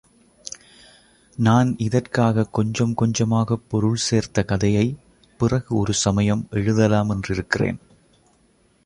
நான் இதற்காகக் கொஞ்சம் கொஞ்சமாகப் பொருள் சேர்த்த கதையை, பிறகு ஒரு சமயம் எழுதலா மென்றிருக்கிறேன்.